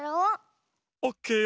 オッケーよ。